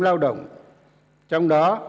lao động trong đó